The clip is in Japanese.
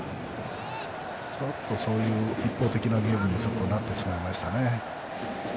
ちょっとそういう一方的なゲームになってしまいましたね。